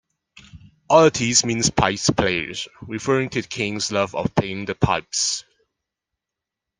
Auletes means "pipes-player", referring to the king's love of playing the pipes.